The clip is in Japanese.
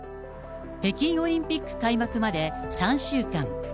北京オリンピック開幕まで３週間。